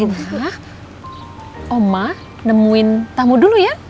nah oma nemuin tamu dulu ya